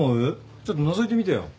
ちょっとのぞいてみてよ。